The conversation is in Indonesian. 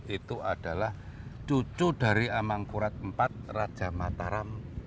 itu adalah cucu dari amankurat iv raja mataram